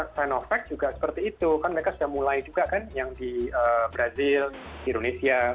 karena mereka sudah mulai juga kan yang di brazil di indonesia